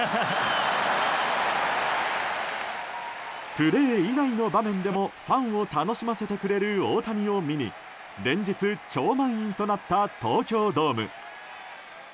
プレー以外の場面でもファンを楽しませてくれる大谷を見に連日超満員となった東京ドーム。